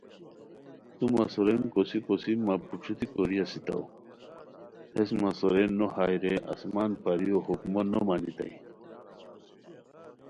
تومہ سورین کوسی کوسی مہ پوݯھوتی کوری اسیتاو،ٔ ہیس مہ سورین نو ہائے رے آسمان پریو حکمو نو مانیتائے